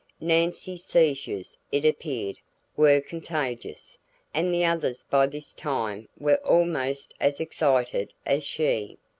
Nancy's seizures, it appeared, were contagious, and the others by this time were almost as excited as she.